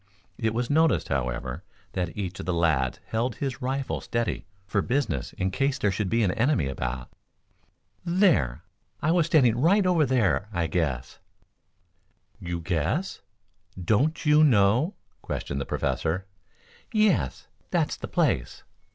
It was noticed, however, that each of the lads held his rifle ready for business in case there should be an enemy about. "There! I was standing right over there I guess." "You guess! Don't you know?" questioned the Professor. "Yes; that's the place."